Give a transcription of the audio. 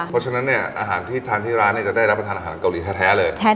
เพราะฉะนั้นเนี่ยอาหารที่ทานที่ร้านจะได้รับประทานอาหารเกาหลีแท้เลย